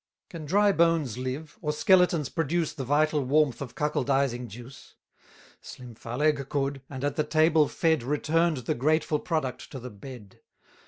Can dry bones live? or skeletons produce The vital warmth of cuckoldising juice? Slim Phaleg could, and at the table fed, 340 Return'd the grateful product to the bed.